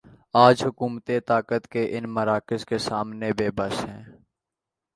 آج حکومتیں طاقت کے ان مراکز کے سامنے بے بس ہیں۔